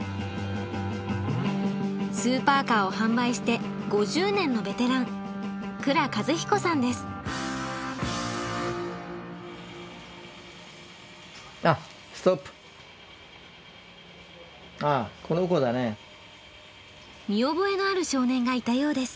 スーパーカーを販売して５０年のベテラン見覚えのある少年がいたようです。